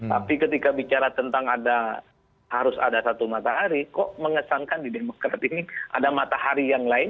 tapi ketika bicara tentang ada harus ada satu matahari kok mengesankan di demokrat ini ada matahari yang lain